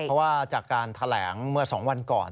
เพราะว่าจากการแถลงเมื่อ๒วันก่อน